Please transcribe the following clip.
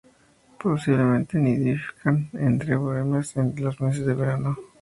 Posiblemente nidifican entre bromelias en los meses de verano.